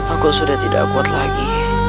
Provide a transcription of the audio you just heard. aku sudah tidak kuat lagi